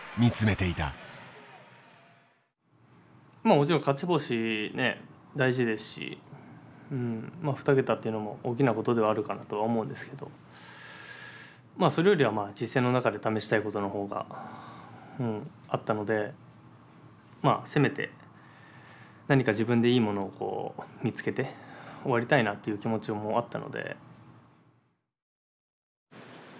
もちろん勝ち星大事ですし２桁っていうのも大きなことではあるかなとは思うんですけどそれよりは実戦の中で試したいことの方があったのでせめて何か自分でいいものを見つけて終わりたいなっていう気持ちもあったので。